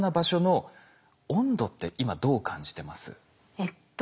えっと。